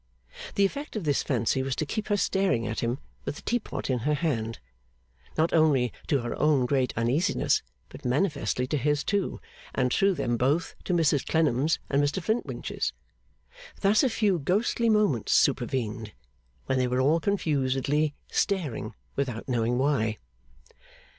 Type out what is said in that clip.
The effect of this fancy was to keep her staring at him with the tea pot in her hand, not only to her own great uneasiness, but manifestly to his, too; and, through them both, to Mrs Clennam's and Mr Flintwinch's. Thus a few ghostly moments supervened, when they were all confusedly staring without knowing why.